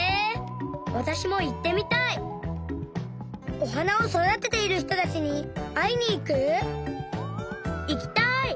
おはなをそだてているひとたちにあいにいく？いきたい！